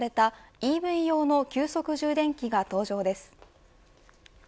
ＥＶ用の急速充電器が登場です。